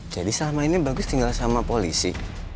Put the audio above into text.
jadi selama ini bagus tinggal sama polisi